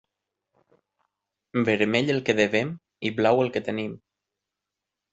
Vermell el que devem i blau el que tenim.